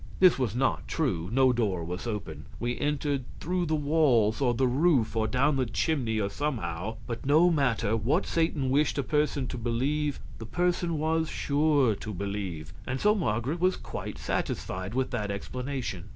This was not true; no door was open; we entered through the walls or the roof or down the chimney, or somehow; but no matter, what Satan wished a person to believe, the person was sure to believe, and so Marget was quite satisfied with that explanation.